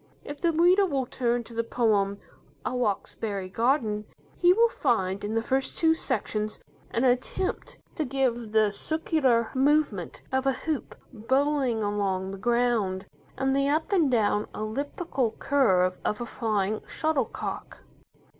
If the reader will turn to the poem, "A Roxbury Garden", he will find in the first two sections an attempt to give the circular movement of a hoop bowling along the ground, and the up and down, elliptical curve of a flying shuttlecock.